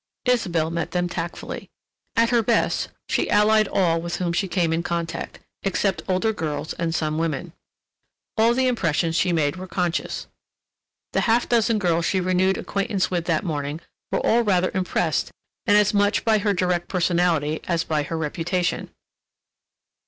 Isabelle met them tactfully. At her best she allied all with whom she came in contact—except older girls and some women. All the impressions she made were conscious. The half dozen girls she renewed acquaintance with that morning were all rather impressed and as much by her direct personality as by her reputation.